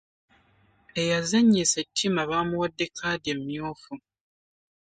Eyazannyisiza ettima bamuwadde kaddi emyufu.